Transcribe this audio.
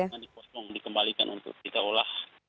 jangan dipotong dikembalikan untuk kita olah